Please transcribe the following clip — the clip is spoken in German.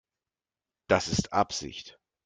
Das ist Absicht.